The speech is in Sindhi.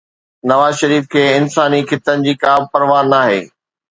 نواز شريف کي انساني خطن جي ڪا به پرواهه ناهي.